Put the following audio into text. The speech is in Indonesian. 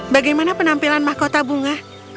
bagaimana penampilan mahkota bunga